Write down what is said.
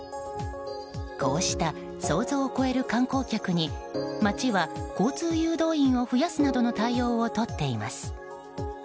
こうした、想像を超える観光客に町は交通誘導員を増やすなどの対応をとっています。